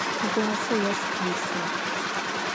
Tığuase vos khêsığ.